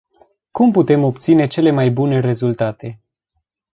Cum putem obține cele mai bune rezultate?